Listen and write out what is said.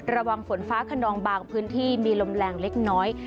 ฝนฟ้าขนองบางพื้นที่มีลมแรงเล็กน้อย